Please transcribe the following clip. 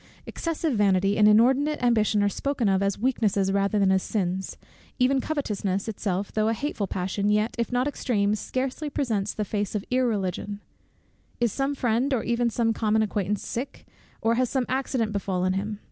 Excessive vanity and inordinate ambition are spoken of as weaknesses rather than as sins; even covetousness itself, though a hateful passion, yet, if not extreme, scarcely presents the face of Irreligion. Is some friend, or even some common acquaintance sick, or has some accident befallen him?